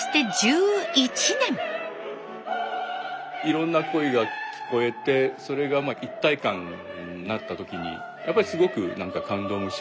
いろんな声が聞こえてそれが一体感になった時にやっぱりすごく何か感動もしますしね。